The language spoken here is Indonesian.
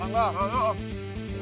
langsung ke dalam